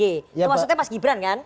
itu maksudnya mas gibran kan